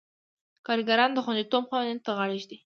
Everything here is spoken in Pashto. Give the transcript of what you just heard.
کارګران د خوندیتوب قوانینو ته غاړه ږدي.